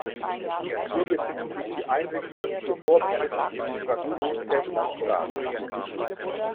Hier befinden sich die Einrichtungen für Vorbereitung, Integration, Test und Start.